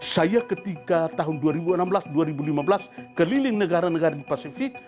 saya ketika tahun dua ribu enam belas dua ribu lima belas keliling negara negara di pasifik